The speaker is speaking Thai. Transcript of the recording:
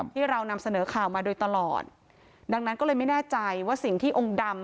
ที่เรานำเสนอข่าวมาโดยตลอดดังนั้นก็เลยไม่แน่ใจว่าสิ่งที่องค์ดำ